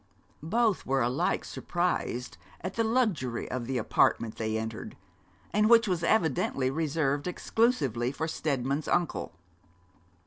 Both were alike surprised at the luxury of the apartment they entered, and which was evidently reserved exclusively for Steadman's uncle.